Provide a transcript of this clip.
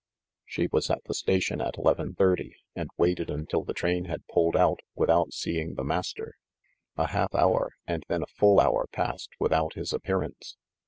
She was at the station at eleven thirty, and waited until the train had pulled out without seeing the Mas ter. A half hour and then a full hour passed without his appearance.